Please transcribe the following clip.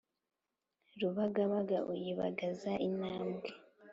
Rubagabaga uyibagaza intambwe